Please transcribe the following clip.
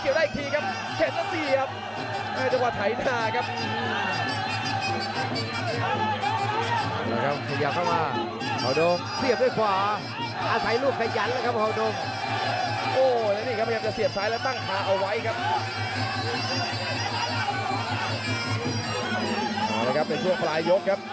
เข้าลอยครับก็เสียบซ้ายเสียบซ้าย